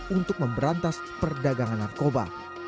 untuk memberantas perdagangan narkoba